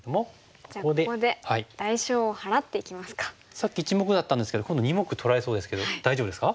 さっき１目だったんですけど今度２目取られそうですけど大丈夫ですか？